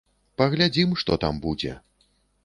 Паглядзім, што там будзе.